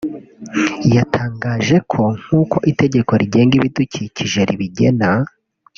yatangaje ko nk’uko itegeko rigenga ibidukikije ribigena